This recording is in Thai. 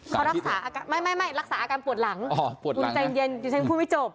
เขารักษาไม่รักษาอาการปวดหลังอ๋อปวดหลังตัวใจเย็นอยู่เฉยพูดไม่จบ